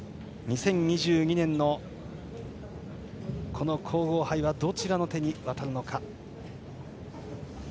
２０２２年の皇后杯はどちらの手に渡るのか。